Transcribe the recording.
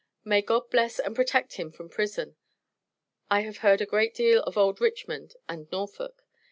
May God bless and protect him from prison, I have heard A great del of old Richmond and Norfolk.